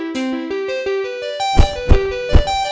terima kasih bella